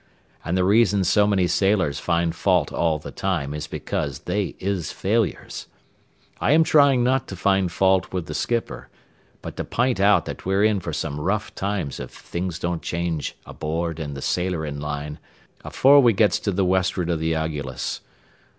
An' the reason so many sailors find fault all the time is because they is failures. I am tryin' not to find fault with the skipper, but to pint out that we're in for some rough times if things don't change aboard in the sailorin' line afore we gets to the west'ard o' the Agullas.